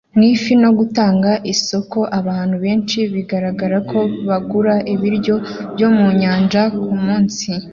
Mu ifi no gutanga isoko abantu benshi bigaragara ko bagura ibiryo byo mu nyanja kumunsi